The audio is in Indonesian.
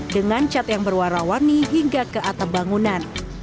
dengan cat yang berwarna warni hingga ke atap bangunan